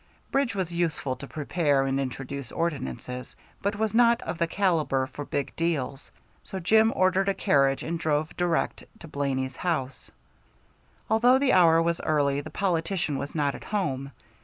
Bridge was useful to prepare and introduce ordinances, but was not of the caliber for big deals, so Jim ordered a carriage and drove direct to Blaney's house. Although the hour was early, the politician was not at home.